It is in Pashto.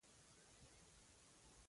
هر نسل دا باورونه خپلو راتلونکو ته سپاري.